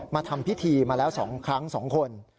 มาทำพิธีมาแล้ว๒ครั้ง๒คน